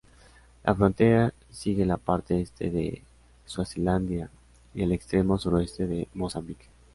La frontera sigue la parte este de Suazilandia y el extremo suroeste de Mozambique.